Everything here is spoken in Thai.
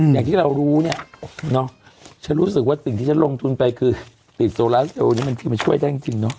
อย่างที่เรารู้เนี่ยเนาะฉันรู้สึกว่าสิ่งที่ฉันลงทุนไปคือติดโซลาสเอลนี่บางทีมันช่วยได้จริงเนาะ